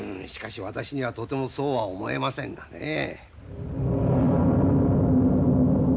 しかし私にはとてもそうは思えませんがね。